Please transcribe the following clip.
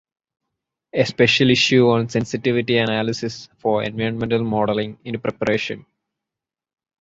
A Special Issue on Sensitivity analysis for environmental modelling in preparation.